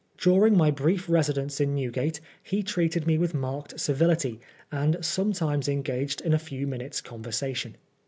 During my brief residence in Newgate he treated me with marked civility, and sometimes engaged in a few minutes' conversation.